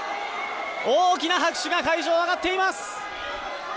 大きな拍手が会場、上がっています。